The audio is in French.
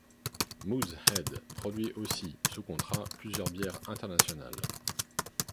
Moosehead produit aussi, sous contrat, plusieurs bières internationales.